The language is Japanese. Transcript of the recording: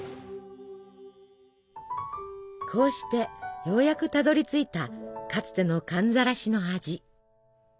こうしてようやくたどりついたかつての寒ざらしの味。